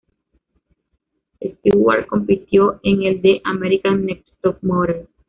Stewart compitió en el de "America's Next Top Model".